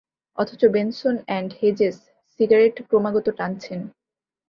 অথচ Benson and Hedges cigarette ক্রমাগত টানছেন।